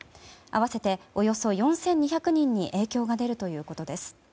合わせておよそ４２００人に影響が出るということです。